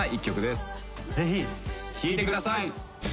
ぜひ聴いてください。